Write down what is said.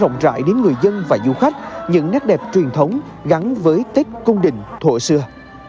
công tác đã rộng rãi đến người dân và du khách những nét đẹp truyền thống gắn với tết cung đình thổ xưa